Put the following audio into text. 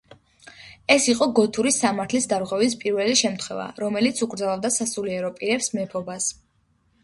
ეს იყო გოთური სამართლის დარღვევის პირველი შემთხვევა, რომელიც უკრძალავდა სასულიერო პირებს მეფობას.